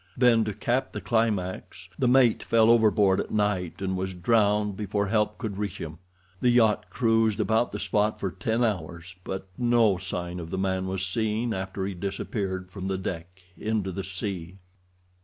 Then, to cap the climax, the mate fell overboard at night, and was drowned before help could reach him. The yacht cruised about the spot for ten hours, but no sign of the man was seen after he disappeared from the deck into the sea.